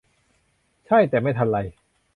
ใช่ แต่ไม่ทันไร